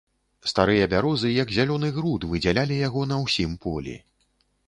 Старыя бярозы, як зялёны груд, выдзялялі яго на ўсім полі.